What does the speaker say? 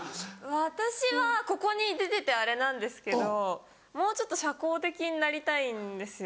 私はここに出ててあれなんですけどもうちょっと社交的になりたいんですよ。